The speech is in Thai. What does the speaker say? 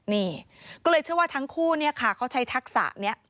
นี่ก็เลยเชื่อว่าทั้งคู่เนี่ยค่ะเขาใช้ทักษะนี้